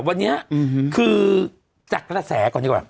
วันนี้คือจากกระแสก่อนดีกว่า